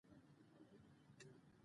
آمو سیند د افغانستان طبعي ثروت دی.